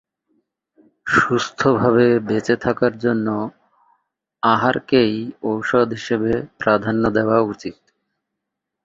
কিন্তু, সেখানে লোহার পরিমাণ ছিল খুবই কম।